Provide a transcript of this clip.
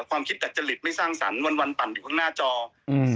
ความคิดดัจจริตไม่สร้างสรรค์วันวันปั่นอยู่ข้างหน้าจออืม